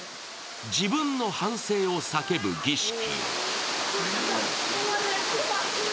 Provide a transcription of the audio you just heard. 自分の反省を叫ぶ儀式。